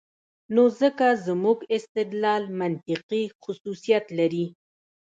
نو ځکه زموږ استدلال منطقي خصوصیت لري.